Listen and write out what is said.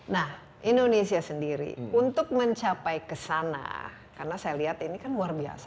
nah indonesia sendiri untuk mencapai ke sana karena saya lihat ini kan luar biasa